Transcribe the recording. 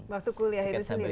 waktu kuliah itu sendiri